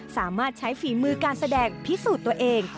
สามารถใช้ฝีมือการแสดงพิสูจน์ตัวเอง